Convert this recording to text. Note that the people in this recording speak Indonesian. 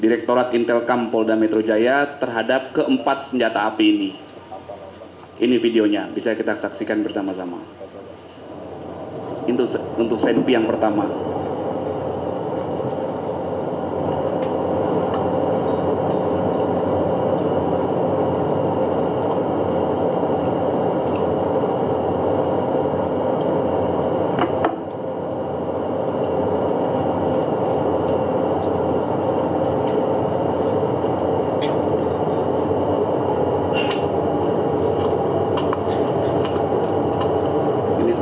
karena kita tetap mengkhawatirkan tiap rumah other thaningly yang akan dimana mana kita wiusek